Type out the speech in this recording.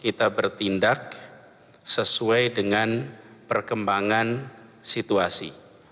kita tidak akan bertindak sesuai dengan perkembangan situasi